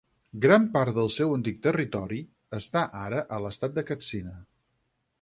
Gran part del seu antic territori està ara a l'estat de Katsina.